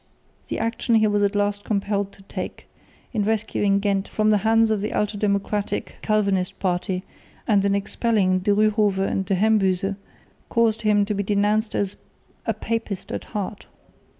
The action he was at last compelled to take, in rescuing Ghent from the hands of the ultra democratic Calvinist party and in expelling De Ryhove and De Hembyze, caused him to be denounced as "a papist at heart."